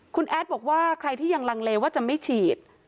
คุณแอดบอกว่าใครที่ยังลังเลว่าจะไม่ฉีด